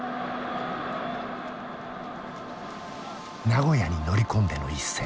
名古屋に乗り込んでの一戦。